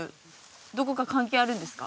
どこか関係あるんですか？